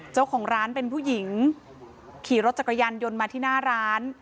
เจ้าของร้านเป็นผู้หญิงขี่รถจักรยานยนต์มาที่หน้าร้าน